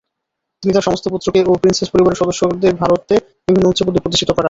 তিনি তার সমস্ত পুত্রকে ও প্রিন্সেপ পরিবারের সদস্যদের ভারতে বিভিন্ন উচ্চপদে প্রতিষ্ঠিত করান।